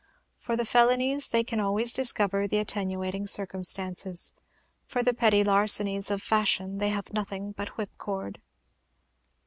For the felonies they can always discover "the attenuating circumstances;" for the petty larcenies of fashion they have nothing but whipcord.